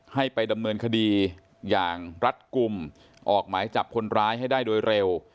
ให้ไปดำเนินคดีอย่างรัดกลุ่มออกหมายจับคนร้ายให้ได้โดยเร็ว